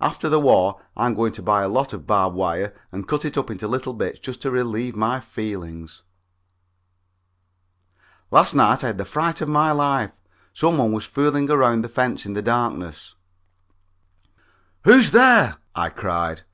After the war, I am going to buy lots of barbed wire and cut it up into little bits just to relieve my feelings. Last night I had the fright of my life. Some one was fooling around the fence in the darkness. "Who's there?" I cried.